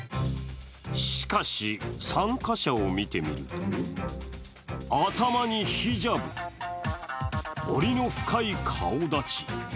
しかし、参加者を見てみると、頭にヒジャブ、彫りの深い顔立ち。